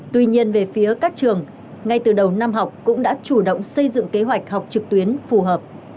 tuy nhiên về phía các trường ngay từ đầu năm học cũng đã chủ động xây dựng kế hoạch học trực tuyến phù hợp